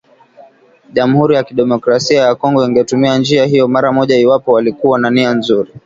jamhuri ya kidemokrasia ya Kongo ingetumia njia hiyo mara moja iwapo walikuwa na nia nzuri